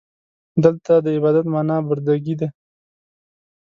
دلته د عبادت معنا برده ګي ده.